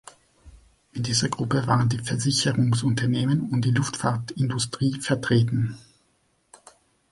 In dieser Gruppe waren die Versicherungsunternehmen und die Luftfahrtindustrie vertreten.